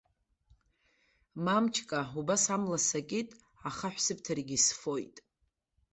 Мамчка, убас амла сакит, ахаҳә сыбҭаргьы исфоит.